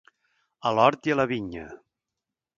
A l'hort i a la vinya.